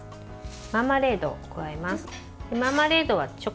マーマレードを加えます。